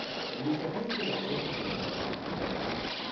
اندیشههایی که در ذهن هنرمند وجود دارد